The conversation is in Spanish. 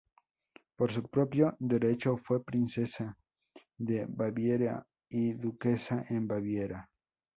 Por su propio derecho fue Princesa de Baviera y Duquesa en Baviera.